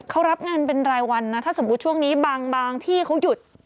เขารับงานเป็นรายวันนะถ้าสมมุติช่วงนี้บางที่เขาหยุด